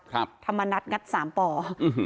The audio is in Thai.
ครับธรรมนัฏงัดสามป่ออื้อหือ